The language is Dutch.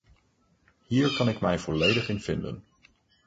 Hier kan ik mij volledig in vinden.